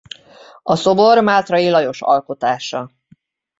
A szobor Mátray Lajos alkotása.